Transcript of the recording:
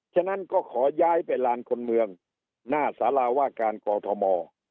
ฉะนั้นก็ขอย้ายไปลานคนเมืองหน้าสาราว่าการกอทม